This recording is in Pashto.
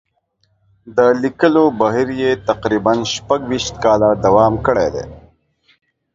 د لیکلو بهیر یې تقریباً شپږ ویشت کاله دوام کړی دی.